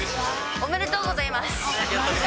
ありがとうございます。